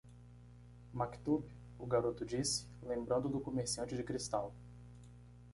"Maktub?" o garoto disse? lembrando do comerciante de cristal.